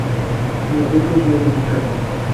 Nosotros no visitamos